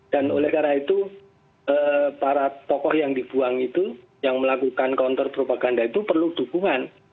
dan oleh karena itu para tokoh yang dibuang itu yang melakukan counter propaganda itu perlu dukungan